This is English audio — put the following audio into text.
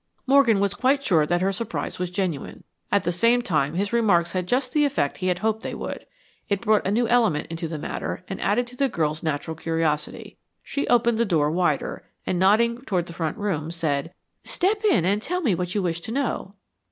Morgan was quite sure that her surprise was genuine. At the same time his remarks had just the effect he had hoped they would. It brought a new element into the matter and added to the girl's natural curiosity. She opened the door wider, and nodding toward the front room, said, "Step in and tell me what you wish to know."